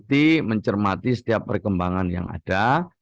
dan mencermati setiap perkembangan yang ada